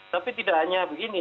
tapi tidak hanya begini